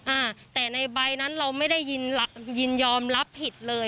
อ่าแต่ในใบนั้นเราไม่ได้ยินยินยอมรับผิดเลย